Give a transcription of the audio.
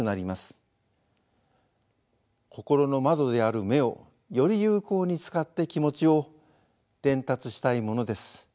心の窓である目をより有効に使って気持ちを伝達したいものです。